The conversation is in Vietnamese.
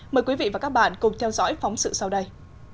mời quý vị và các bạn cùng theo dõi phóng sự sau đây